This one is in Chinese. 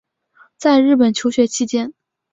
在日本求学期间